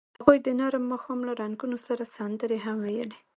هغوی د نرم ماښام له رنګونو سره سندرې هم ویلې.